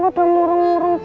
ketengah orang orang situ